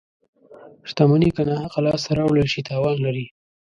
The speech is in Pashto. • شتمني که ناحقه لاسته راوړل شي، تاوان لري.